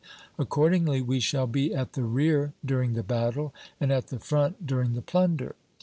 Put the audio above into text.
Accordingly, we shall be at the rear during the battle and at the front during the plunder.